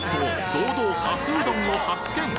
堂々かすうどんを発見！